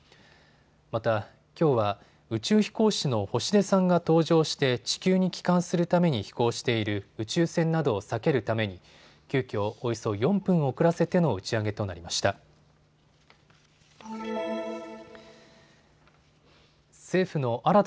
また、きょうは宇宙飛行士の星出さんが搭乗して地球に帰還するために飛行している宇宙船などを避けるために急きょおよそ４分遅らせての打ち上げとなりました。